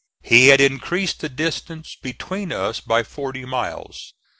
He had increased the distance between us by forty miles.